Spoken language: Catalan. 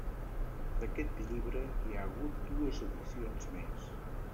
D'aquest llibre hi ha hagut dues edicions més.